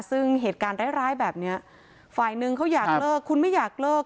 ซึ่งเหตุการณ์ร้ายแบบนี้ฝ่ายหนึ่งเขาอยากเลิกคุณไม่อยากเลิก